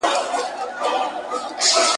پټ یې غوږ ته دی راوړی د نسیم پر وزر زېری !.